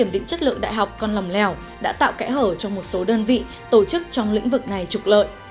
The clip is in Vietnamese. đại học còn lầm lèo đã tạo kẽ hở cho một số đơn vị tổ chức trong lĩnh vực này trục lợi